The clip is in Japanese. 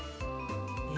え